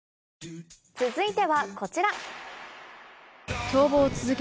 続いてはこちら。